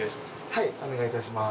お願いいたします。